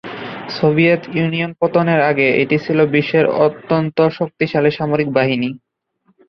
Soviet Union পতনের আগে এটি ছিল বিশ্বের অত্যন্ত শক্তিশালী সামরিক বাহিনী।